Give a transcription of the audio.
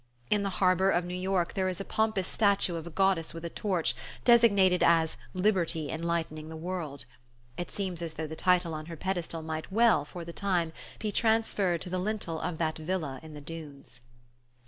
In the harbour of New York there is a pompous statue of a goddess with a torch, designated as "Liberty enlightening the World." It seems as though the title on her pedestal might well, for the time, be transferred to the lintel of that villa in the dunes.